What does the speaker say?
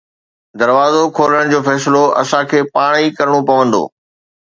دروازو کولڻ جو فيصلو اسان کي پاڻ ئي ڪرڻو پوندو.